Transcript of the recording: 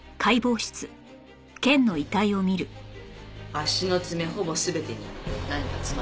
足の爪ほぼ全てに何か詰まってる。